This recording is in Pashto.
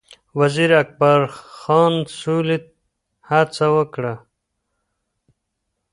وزیر اکبرخان سولې هڅه وکړه